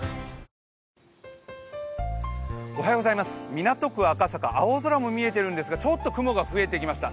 港区赤坂、青空も見えてるんですがちょっと雲が増えてきました。